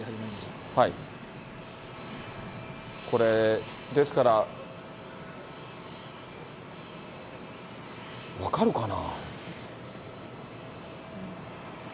これですから、分かるかな？